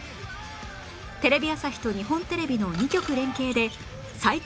テレビ朝日と日本テレビの２局連携で最強